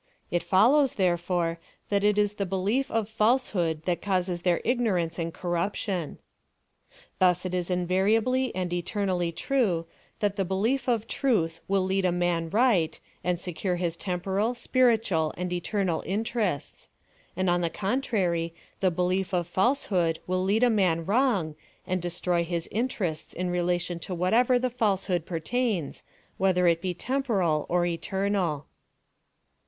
It follows, there fore, that it is the belief of falsehood that causes their ignorance and corruption. Thus it is invariably and eternally true, thd^ the belief of truth will lead a man right, and secure his temporal, spiritual, and eternal interests — and on the contrary, the belief of falsehood will lead a mun U''ro:ig, and destroy his interex^ts in relation to what 134 PHILOSOPHY OF T Jlfc ever tho falsehood pertains, whether it be tempord! or eternal.